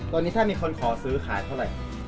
ตอนนี้ถ้ามีคนขอซื้อขายเท่าไหร่